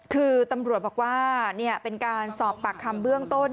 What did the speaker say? คือตำรวจบอกว่าเป็นการสอบปากคำเบื้องต้น